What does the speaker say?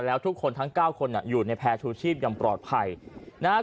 แล้วทุกคนทั้ง๙คนอยู่ในแพร่ชูชีพอย่างปลอดภัยนะฮะ